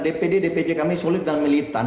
dpd dpc kami solid dan militan